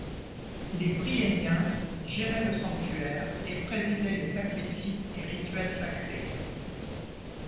Les Priéniens géraient le sanctuaire et présidaient les sacrifices et rituels sacrés.